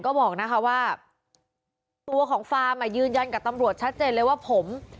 ก็บอกนะคะว่าตัวของฟาร์มอ่ะยืนยันกับตำรวจชัดเจนเลยว่าผม